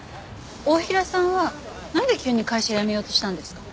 太平さんはなんで急に会社を辞めようとしたんですか？